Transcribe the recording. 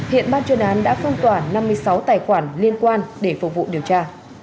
hiện ban chuyên án đã phong tỏa năm mươi sáu tài khoản liên quan để phục vụ điều tra